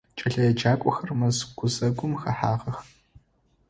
КӀэлэеджакӀохэр мэз гузэгум хэхьагъэх.